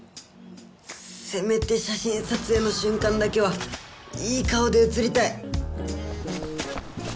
せめて写真撮影のしゅんかんだけはいい顔で写りたい。